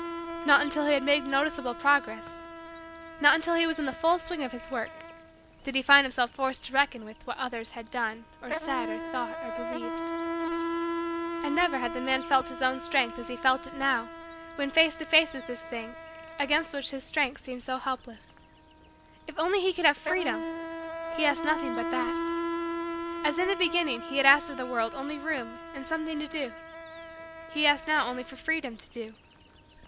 Not until he had made noticeable progress not until he was in the full swing of his work did he find himself forced to reckon with what others had done or said or thought or believed. And never had the man felt his own strength as he felt it now when face to face with this thing against which his strength seemed so helpless. If only he could have freedom! He asked nothing but that. As in the beginning he had asked of the world only room and something to do, he asked now only for freedom to do.